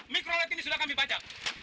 mikrodet ini sudah kami baca